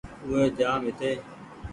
او وي جآم هيتي